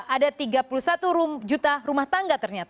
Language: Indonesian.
ada tiga puluh satu juta rumah tangga ternyata